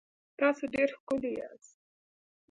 تاسو ډېر ښکلي یاست